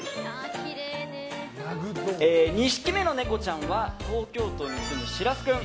２匹目のネコちゃんは東京都に住む、しらす君。